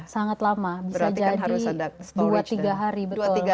sangat lama berarti kan harus ada storage